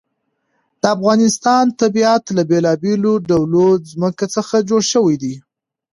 د افغانستان طبیعت له بېلابېلو ډولو ځمکه څخه جوړ شوی دی.